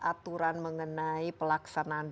aturan mengenai pelaksanaan